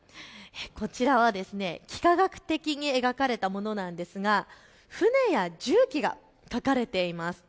こちらは幾何学的に描かれたものなんですが船や重機が描かれています。